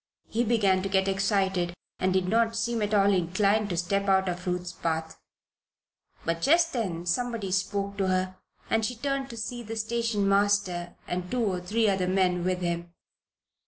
He began to get excited and did not seem at all inclined to step out of Ruth's path. But just then somebody spoke to her and she turned to see the station master and two or three other men with him.